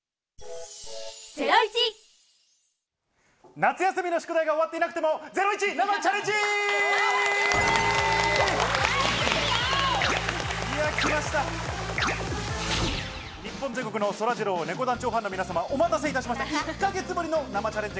夏休みの宿題が終わっていなくてもゼロイチ生チャレンジ！